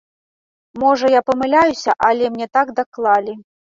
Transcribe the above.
Можа я памыляюся, але мне так даклалі.